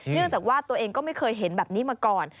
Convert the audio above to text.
เนื่องจากว่าตัวเองก็ไม่เคยเห็นแบบนี้มาก่อน